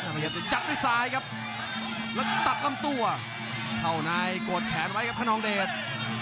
พยายามจะจับด้วยซ้ายครับแล้วตัดลำตัวเข้าในกดแขนไว้ครับขนองเดช